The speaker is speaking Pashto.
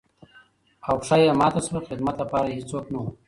او پښه يې ماته شوه ،خدمت لپاره يې هېڅوک نه وو.